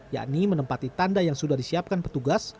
yakni menempati tanda yang sudah disiapkan petugas